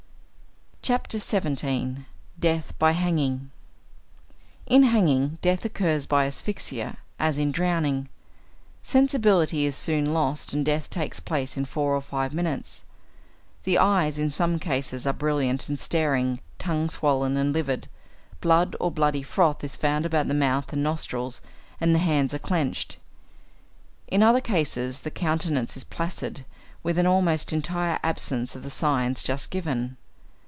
XVII. DEATH BY HANGING In hanging, death occurs by asphyxia, as in drowning. Sensibility is soon lost, and death takes place in four or five minutes. The eyes in some cases are brilliant and staring, tongue swollen and livid, blood or bloody froth is found about the mouth and nostrils, and the hands are clenched. In other cases the countenance is placid, with an almost entire absence of the signs just given.